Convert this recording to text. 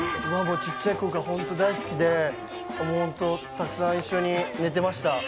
ちっちゃい頃からホント大好きで、たくさん一緒に寝てました。